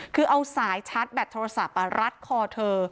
คือเอาสายชาร์จแบตโทรศัพท์รัดคอเธอ